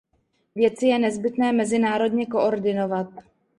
Věci je nezbytné mezinárodně koordinovat.